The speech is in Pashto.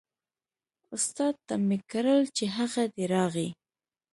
استاد ته مې کړل چې هغه دی راغی.